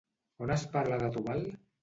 On es parla de Tubal?